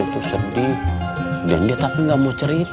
tumben rapi tuh mi